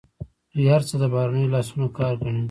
دوی هر څه د بهرنیو لاسونو کار ګڼي.